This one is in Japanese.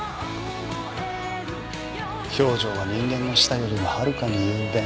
表情は人間の舌よりもはるかに雄弁。